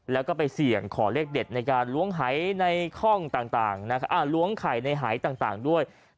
แล้วก็ไปเสี่ยงขอเลขเด็ดในการล้วงหายในห้องต่างล้วงไข่ในหายต่างด้วย